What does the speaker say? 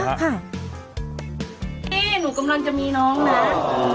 พี่หนูกำลังจะมีน้องนะ